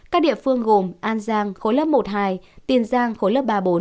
các địa phương gồm an giang khối lớp một hai tiền giang khối lớp ba bốn